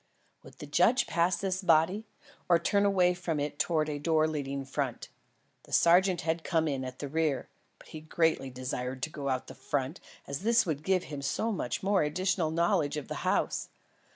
Would the judge pass this body, or turn away from it towards a door leading front? The sergeant had come in at the rear, but he greatly desired to go out front, as this would give him so much additional knowledge of the house.